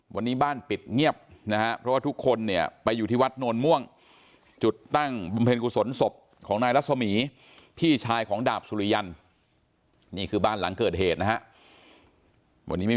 วันนี้บ้านปิดเงียบนะครับเพราะว่าทุกคนเนี่ย